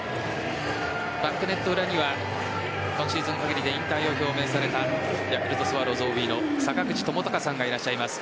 バックネット裏には今シーズン限りで引退を表明されたヤクルトスワローズＯＢの坂口智隆さんがいらっしゃいます。